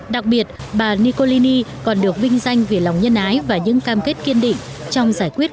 đặc biệt bà nikolini còn được vinh danh vì lòng nhân ái và những cam kết kiên định trong giải quyết